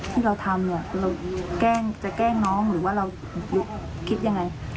ที่เราทำเนี่ยเราจะแกล้งน้องหรือว่าเราคิดยังไง